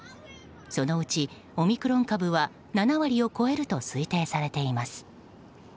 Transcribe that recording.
そのうちオミクロン株は７割を超えると推定されています。